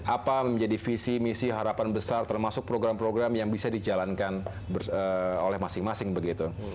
apa menjadi visi misi harapan besar termasuk program program yang bisa dijalankan oleh masing masing begitu